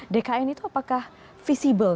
dkn itu apakah visible